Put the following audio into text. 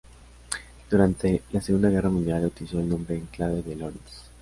Durante la Segunda Guerra Mundial, utilizó el nombre en clave de "Lorenz".